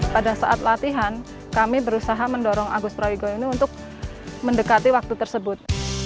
pada saat latihan kami berusaha mendorong agus prawigo ini untuk mendekati waktu tersebut